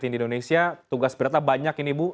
di indonesia tugas beratnya banyak ini bu